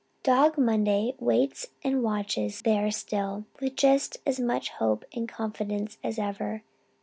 Dog Monday waits and watches there still, with just as much hope and confidence as ever.